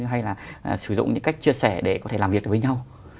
hay là sử dụng những cách chia sẻ để có thể làm việc với nhau